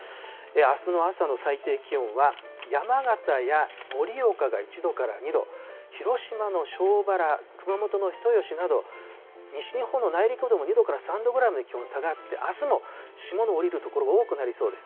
あすの朝の最低気温は、山形や盛岡が１度から２度、広島のしょうばら、熊本の人吉など、西日本の内陸でも２度から３度ぐらいまで気温下がって、あすも霜の降りる所が多くなりそうです。